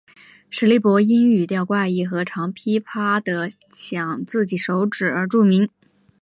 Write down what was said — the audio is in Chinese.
史力柏因语调怪异和常劈啪地晌自己手指而著名。